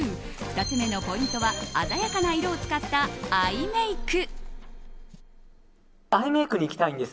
２つ目のポイントは鮮やかな色を使ったアイメイク。